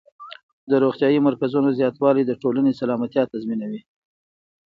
د روغتیايي مرکزونو زیاتوالی د ټولنې سلامتیا تضمینوي.